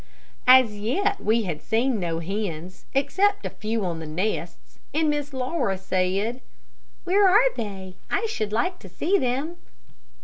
As yet we had seen no hens, except a few on the nests, and Miss Laura said, "Where are they? I should like to see them."